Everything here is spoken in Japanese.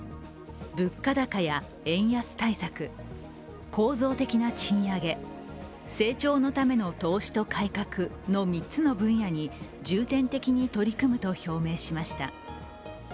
物価高や円安対策、構造的な賃上げ成長のための投資と改革の３つの分野に重点的に取り組むと表明しました。